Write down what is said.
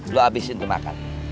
lo abisin tuh makan